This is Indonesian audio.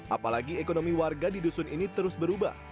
apalagi ekonomi warga di dusun ini terus berubah